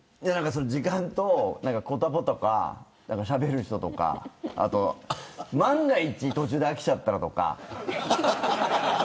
時間と、言葉とかしゃべる人とかあと、万が一途中で飽きちゃったらとか。